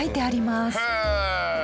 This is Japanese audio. へえ！